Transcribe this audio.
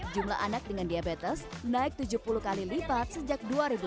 jumlah anak dengan diabetes naik tujuh puluh kali lipat sejak dua ribu tujuh belas